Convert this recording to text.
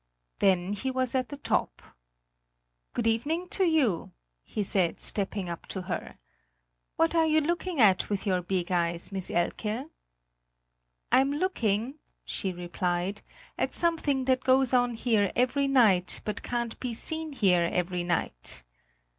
Then he was at the top. "Good evening to you!" he said, stepping up to her. "What are you looking at with your big eyes, Miss Elke?" "I'm looking," she replied, "at something that goes on here every night, but can't be seen here every night."